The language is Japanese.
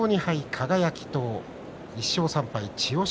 輝と１勝３敗千代翔